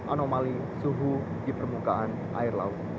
anomali suhu di permukaan air laut